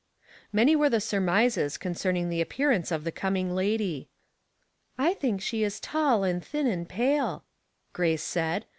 Many were the surmises concerning the ap pearance of the coming lady. " I think she is tall and thin and pale," Grace said.